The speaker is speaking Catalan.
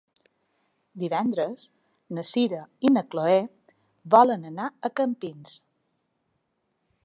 Divendres na Sira i na Chloé volen anar a Campins.